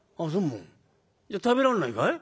「じゃあ食べらんないかい？」。